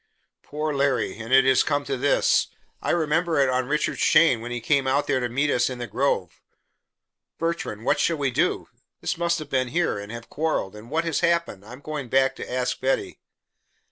"Poor Larry! And it has come to this. I remember it on Richard's chain when he came out there to meet us in the grove. Bertrand, what shall we do? They must have been here and have quarreled and what has happened! I'm going back to ask Betty."